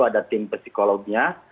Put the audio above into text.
ada tim psikolognya